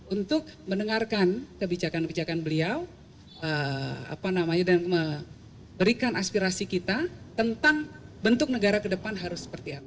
untuk mendengarkan kebijakan kebijakan beliau dan memberikan aspirasi kita tentang bentuk negara ke depan harus seperti apa